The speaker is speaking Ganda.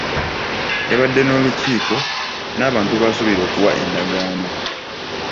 Yabadde n'olukiiko n'abantu b'asuubira okuwa endagaano.